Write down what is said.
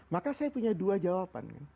maka saya punya dua jawaban